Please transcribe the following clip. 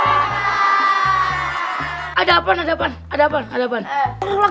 eh kalian yang berempat kayak ayam ayam anjing yang sport mobil tau gak